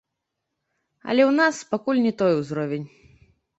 Але ў нас пакуль не той узровень.